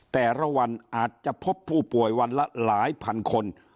แต่ละวันอาจจะพบผู้ป่วยวันละหลายพันคน